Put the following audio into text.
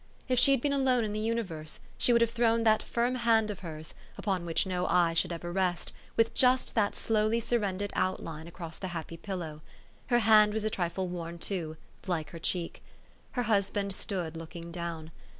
If she had been alone in the universe, she would have thrown that firm hand of hers, upon which no e}^e should ever rest, with just that slowly surrendered outline across the happy pillow. Her hand was a trifle worn, too, like her cheek. Her husband stood looking down.